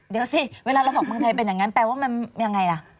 เดี๋ยวสิเวลาเราบอกเมืองไทยเป็นอย่างนั้นแปลว่ามันยังไงล่ะ